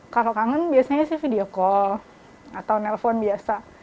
kalau kangen biasanya sih video call atau nelpon biasa